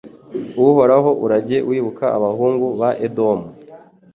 Uhoraho urajye wibuka abahungu ba Edomu